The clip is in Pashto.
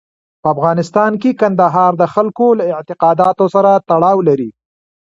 په افغانستان کې کندهار د خلکو له اعتقاداتو سره تړاو لري.